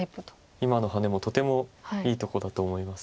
今のハネもとてもいいとこだと思います。